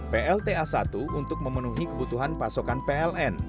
plta satu untuk memenuhi kebutuhan pasokan pln